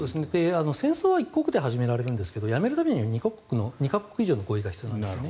戦争は１国で始められるんですがやめるためには２か国以上の合意が必要なんですね。